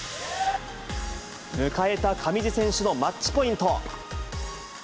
迎えた上地選手のマッチポイント。